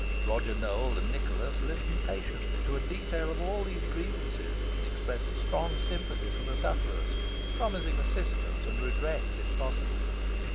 Roger Nowell and Nicholas listened patiently to a detail of all these grievances, and expressed strong sympathy for the sufferers, promising assistance and redress if possible.